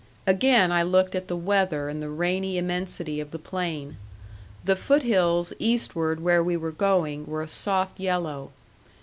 Again I looked at the weather and the rainy immensity of the plain. The foot hills eastward where we were going were a soft yellow.